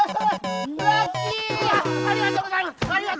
ありがとうございますありが。